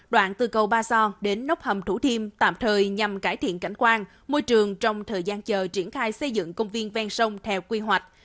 đoạn từ cầu ba son đến nốc hầm thủ thiêm tạm thời nhằm cải thiện cảnh quan môi trường trong thời gian chờ triển khai xây dựng công viên ven sông theo quy hoạch